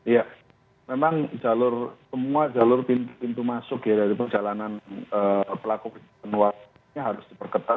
ya memang jalur semua jalur pintu masuk ya dari perjalanan pelaku penuasnya harus diperketat